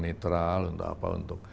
netral untuk apa untuk